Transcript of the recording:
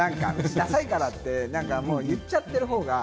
ダサいからって言っちゃってる方が。